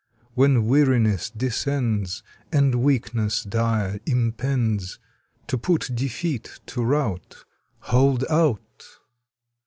When weariness descends, And weakness dire impends, To put Defeat to rout HOLD OUT!